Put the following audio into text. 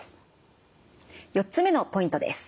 ４つ目のポイントです。